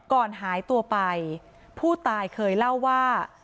ก่อนหายตัวไปผู้ตายเคยเล่าว่า